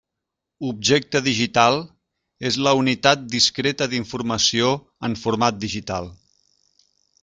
Objecte digital: és la unitat discreta d’informació en format digital.